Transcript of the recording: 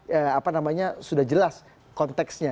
apa namanya sudah jelas konteksnya